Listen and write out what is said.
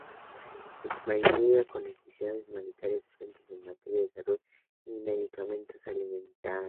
En su mayoría con necesidades humanitarias urgentes en materia de salud, medicamentos y alimentos.